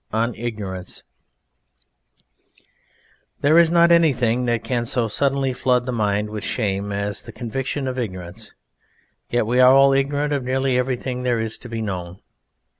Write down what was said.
ON IGNORANCE There is not anything that can so suddenly flood the mind with shame as the conviction of ignorance, yet we are all ignorant of nearly everything there is to be known.